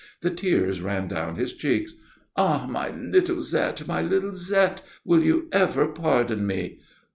The tears ran down his cheeks. "Ah, my little Zette, my little Zette, will you ever pardon me?"